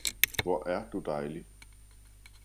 hvor er du dejlig!